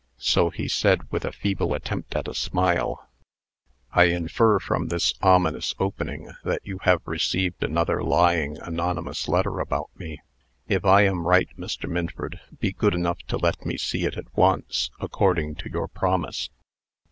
So he said, with a feeble attempt at a smile: "I infer from this ominous opening that you have received another lying anonymous letter about me. If I am right, Mr. Minford, be good enough to let me see it at once, according to your promise."